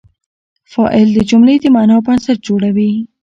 فاعل د جملې د معنی بنسټ جوړوي.